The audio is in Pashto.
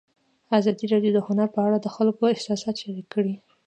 ازادي راډیو د هنر په اړه د خلکو احساسات شریک کړي.